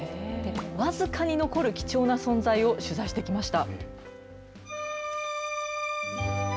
僅かに残る貴重な存在を取材してきました。